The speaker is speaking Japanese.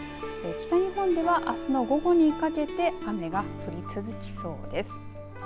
北日本ではあすの午後にかけて雨が降り続きそうです。